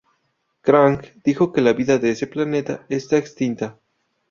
Krang dijo que la vida de ese planeta está extinta.